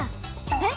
えっ？